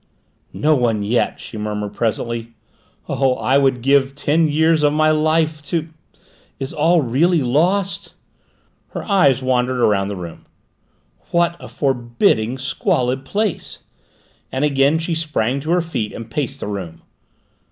"No one yet!" she murmured presently. "Oh, I would give ten years of my life to ! Is all really lost?" Her eyes wandered round the room. "What a forbidding, squalid place!" and again she sprang to her feet and paced the room.